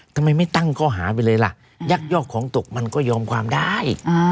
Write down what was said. ทำไมไม่ตั้งข้อหาไปเลยล่ะยักยอกของตกมันก็ยอมความได้